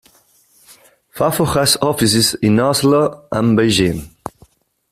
Fafo has offices in Oslo and Beijing.